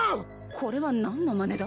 これは何のまねだ？